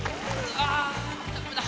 あーダメだ。